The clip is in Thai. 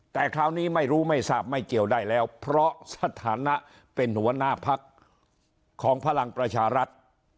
แต่คราวนี้ไม่รู้ไม่ทราบไม่เกี่ยวได้แล้วเพราะสถานะเป็นหัวหน้าพักของพลังประชารัฐ